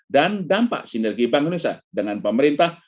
dan dampak sinergi bank indonesia dengan pemerintah